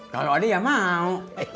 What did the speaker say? kalo ada ya mau